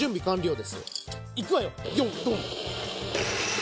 いくわよよいドン。